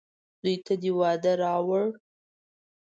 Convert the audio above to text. زوی ته يې واده راووړ.